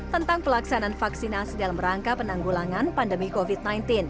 tentang pelaksanaan vaksinasi dalam rangka penanggulangan pandemi covid sembilan belas